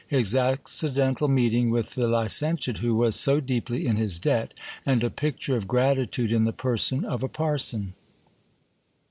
His accidental meeting with the licentiate who was so deeply in his debt, and a picture 0/ gratitude in the person of a parson.